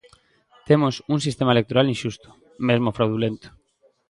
Temos un sistema electoral inxusto, mesmo fraudulento